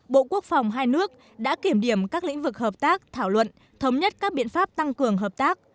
bộ quốc phòng hai nước đã kiểm điểm các lĩnh vực hợp tác thảo luận thống nhất các biện pháp tăng cường hợp tác